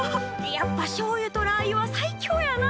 やっぱしょうゆとラー油は最強やな！